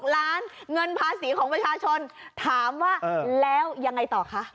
ล้านเงินภาษีของประชาชนถามว่าแล้วยังไงต่อคะ